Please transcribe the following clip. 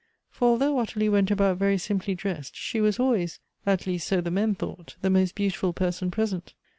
For although Ottilie went about very simply dressed, she was always, at least so the men thought, the most beautiful person present.